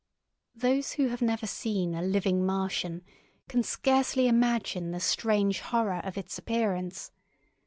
Those who have never seen a living Martian can scarcely imagine the strange horror of its appearance.